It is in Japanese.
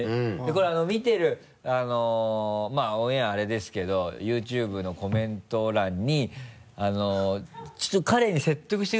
これ見てるオンエアあれですけどＹｏｕＴｕｂｅのコメント欄にちょっと彼に説得してください